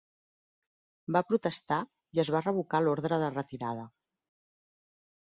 Va protestar i es va revocar l'ordre de retirada.